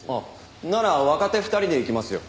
なら若手２人で行きますよ。